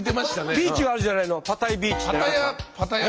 ビーチがあるじゃないの